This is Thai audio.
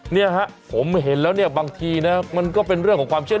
เนี่ยฮะผมเห็นแล้วเนี่ยบางทีนะมันก็เป็นเรื่องของความเชื่อ